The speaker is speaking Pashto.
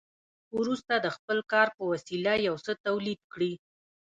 وروسته د خپل کار په وسیله یو څه تولید کړي